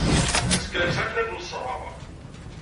Skerkseɣ akken ad ken-ṣṣreɣ.